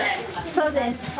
そうです！